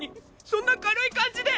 そんな軽い感じで。